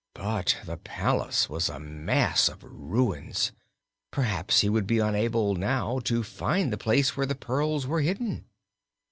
But the palace was a mass of ruins; perhaps he would be unable now to find the place where the pearls were hidden.